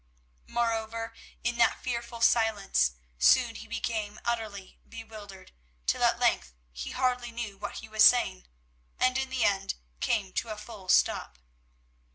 Moreover, in that fearful silence, soon he became utterly bewildered, till at length he hardly knew what he was saying, and in the end came to a full stop.